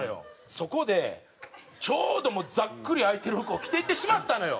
そこでちょうどもうざっくり開いてる服を着ていってしまったのよ。